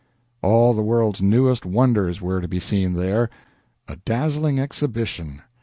All the world's newest wonders were to be seen there a dazzling exhibition.